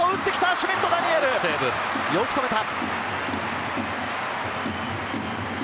シュミット・ダニエル、よく止めた！